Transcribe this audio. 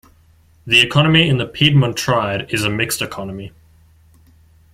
The economy in the Piedmont Triad is a mixed economy.